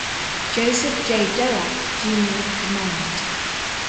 Joseph J. Doak, Junior in command.